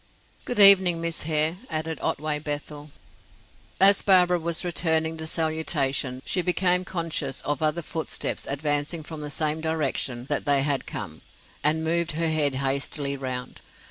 "Good evening, Miss Hare," added Otway Bethel. As Barbara was returning the salutation, she became conscious of other footsteps advancing from the same direction that they had come, and moved her head hastily round.